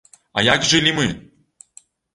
А як жылі мы?